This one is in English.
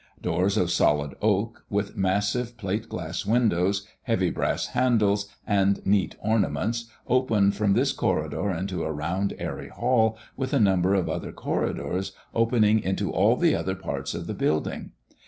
Doors of solid oak, with massive plate glass windows, heavy brass handles, and neat ornaments, open from this corridor into a round airy hall, with a number of other corridors opening into all the other parts of the building.